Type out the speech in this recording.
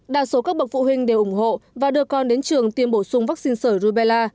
đa số các bậc phụ huynh đều ủng hộ và đưa con đến trường tiêm bổ sung vaccine sởi rubella